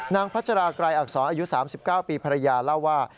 พัชราไกรอักษรอายุ๓๙ปีภรรยาเล่าว่า